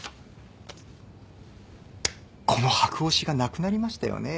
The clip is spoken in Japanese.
この箔押しがなくなりましたよね？